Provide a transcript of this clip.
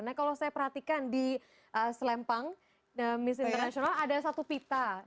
nah kalau saya perhatikan di selempang miss international ada satu pita